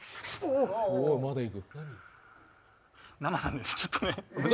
生なんで、ちょっとね。